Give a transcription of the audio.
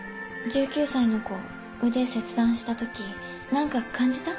１９歳の子腕切断したとき何か感じた？